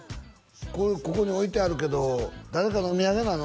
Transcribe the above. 「これここに置いてあるけど誰かのお土産なの？」